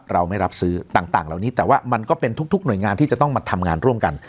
เราไม่รับซื้อต่างเหล่านี้แต่ว่ามันก็เป็นทุกหน่วยงานที่จะต้องมาทำงานร่วมกัน